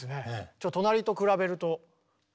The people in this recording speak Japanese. ちょっと隣と比べるとね。